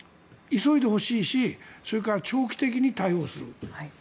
急いでほしいしそれから長期的に対応する。